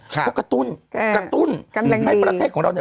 เขากระตุ้นให้ประเทศของเรา